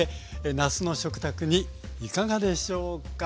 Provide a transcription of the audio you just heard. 夏の食卓にいかがでしょうか？